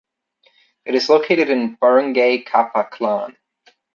It is located in Barangay Capaclan.